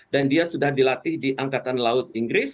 dan dia sudah dilatih di angkatan laut inggris